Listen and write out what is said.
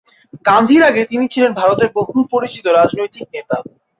গান্ধীর আগে তিনি ছিলেন ভারতের বহুল পরিচিত রাজনৈতিক নেতা।